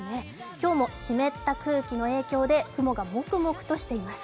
今日も湿った空気の影響で雲がもくもくとしています。